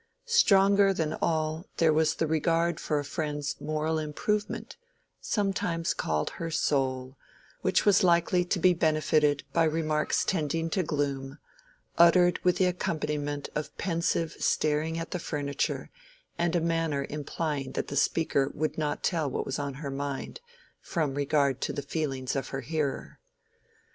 Stronger than all, there was the regard for a friend's moral improvement, sometimes called her soul, which was likely to be benefited by remarks tending to gloom, uttered with the accompaniment of pensive staring at the furniture and a manner implying that the speaker would not tell what was on her mind, from regard to the feelings of her hearer.